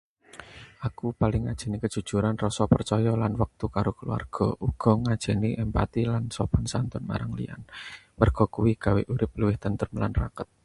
Aku paling ngajeni kejujuran, rasa percaya, lan wektu karo kulawarga. Uga ngajeni empati lan sopan santun marang liyan, merga kuwi gawé urip luwih tentrem lan raket.